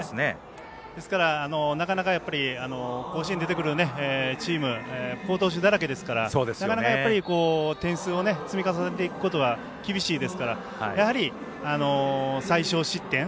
ですから、なかなか甲子園出てくるチーム、好投手だらけですからなかなか点数を積み重ねていくことが厳しいですからやはり、最少失点。